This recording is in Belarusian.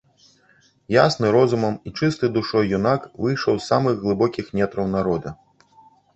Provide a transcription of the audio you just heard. Ясны розумам і чысты душой юнак выйшаў з самых глыбокіх нетраў народа.